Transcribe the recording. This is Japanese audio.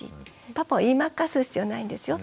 パパを言い負かす必要ないんですよ。